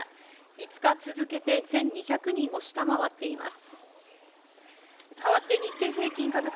５日続けて１２００人を下回っています。